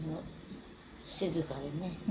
静かでね。